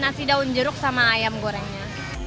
nasi daun jeruk sama ayam gorengnya